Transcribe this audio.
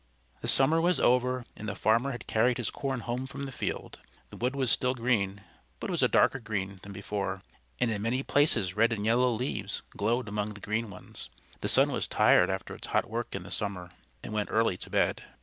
The summer was over, and the farmer had carried his corn home from the field. The wood was still green, but it was a darker green than before; and in many places red and yellow leaves glowed among the green ones. The sun was tired after his hot work in the summer, and went early to bed.